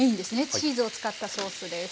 チーズを使ったソースです。